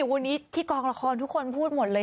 วันนี้ที่กองละครทุกคนพูดหมดเลย